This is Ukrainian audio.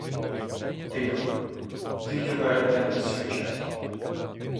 Тихо, — тільки веретена сюрчать.!.